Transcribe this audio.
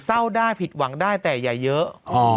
เศร้าได้ผิดหวังได้แต่อย่าเยอะ